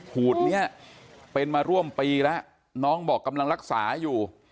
ขูดนี้เป็นมาร่วมปีแล้วน้องบอกกำลังรักษาอยู่